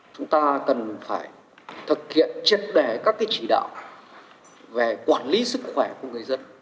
chúng ta cần phải thực hiện trên đề các cái chỉ đạo về quản lý sức khỏe của người dân